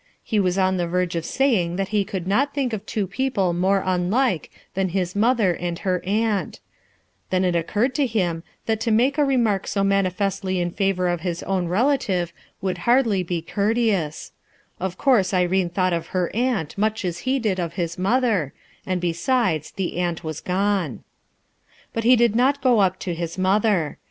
He was on the verge of saying that he could not think of two people more unlike than his mother and her aunt; then it occurred to him that to make a remark so manifestly in favor of his own relative would hardly be courteous Of course Irene thought of her aunt much as he did of his mother, and besides, the aunt was gone* But he did not go up to his mother.